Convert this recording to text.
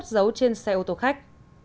giấu trên xe ô tô khách